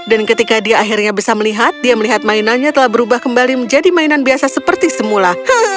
dan ketika dia akhirnya bisa melihat dia melihat mainannya telah berubah kembali menjadi mainan biasa seperti semula